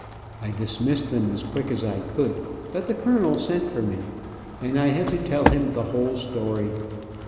I dismissed them as quick as I could, but the colonel sent for me, and I had to tell him the whole story.